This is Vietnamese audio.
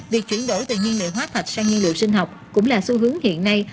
việc chuyển đổi từ nhân liệu hóa thạch sang nhân liệu sinh học cũng là xu hướng hiện nay